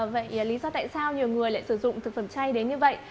vậy lý do tại sao nhiều người lại sử dụng thực phẩm chay đến như vậy